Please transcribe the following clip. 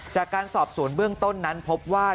จากการสอบสวนเบื้องต้นนั้นพบว่า